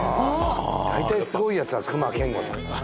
大体すごいやつは隈研吾さんだね